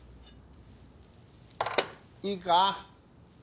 いいか？